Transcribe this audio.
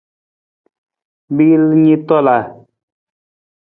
Miil ni tola.